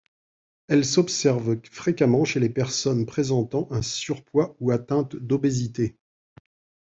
Elle s'observe fréquemment chez les personnes présentant un surpoids ou atteinte d'obésité.